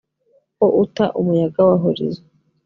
ko uta umuyaga wa horizon